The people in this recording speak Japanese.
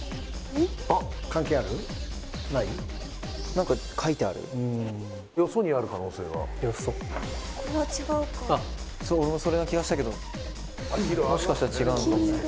何か書いてあるよそにある可能性がよそこれは違うか俺もそれの気がしたけどもしかしたら違うのかも黄色？